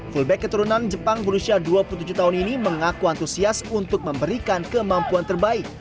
fullback keturunan jepang berusia dua puluh tujuh tahun ini mengaku antusias untuk memberikan kemampuan terbaik